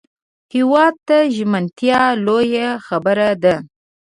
هېواد ته ژمنتیا لویه خبره ده